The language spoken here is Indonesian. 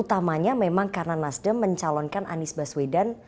utamanya memang karena nasdem mencalonkan anies baswedan